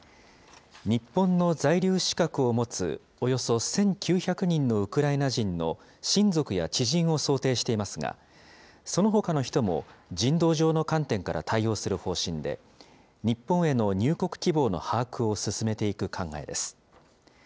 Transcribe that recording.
日本の在留資格を持つおよそ１９００人のウクライナ人の親族や知人を想定していますが、そのほかの人も人道上の観点から対応する方針で、日本への入国希望の把握を進めていく考えです。